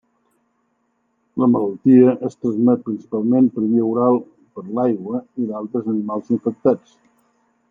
La malaltia es transmet principalment per via oral per l’aigua i d’altres animals infectats.